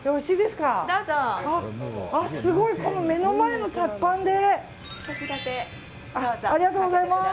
すごい、目の前の鉄板で。